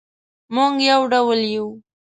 مونږ یو ډول یو